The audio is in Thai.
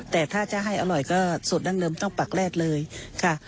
แต่ถ้าจะให้อร่อยก็สูตรดั้งเดิมต้องปักแรกเลยค่ะ